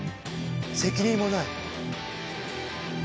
責任もない。